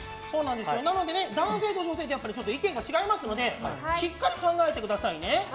男性と女性で意見が違いますのでしっかり考えてくださいね。